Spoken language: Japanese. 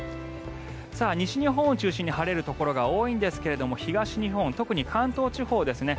西日本を中心に晴れるところが多いんですが東日本、特に関東地方ですね